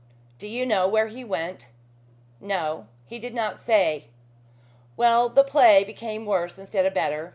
"Do you know where he went?" "No. He did not say. Well, the play became worse instead of better.